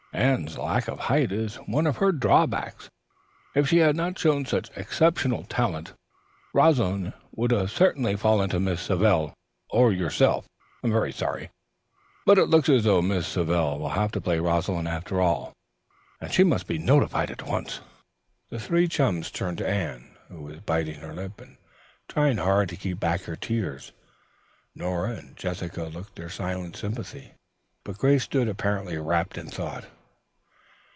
Anne's lack of height is her one drawback. If she had not shown such exceptional talent, 'Rosalind' would have certainly fallen to Miss Savell or yourself. I am very sorry, but it looks as though Miss Savell will have to play Rosalind after all, and she must be notified at once." The three chums turned to Anne, who was biting her lip and trying hard to keep back her tears. Nora and Jessica looked their silent sympathy, but Grace stood apparently wrapped in thought.